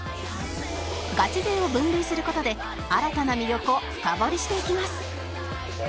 ガチ勢を分類する事で新たな魅力を深掘りしていきます